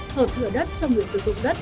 hợp thửa đất cho người sử dụng đất